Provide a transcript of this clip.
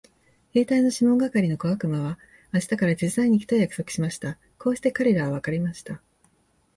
兵隊のシモン係の小悪魔は明日から手伝いに行くと約束しました。こうして彼等は別れました。